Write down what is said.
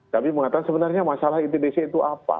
tapi mengatakan sebenarnya masalah itdc itu apa